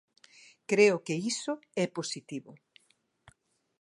Creo que iso é positivo.